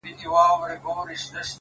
• زما انارګلي زما ښایستې خورکۍ,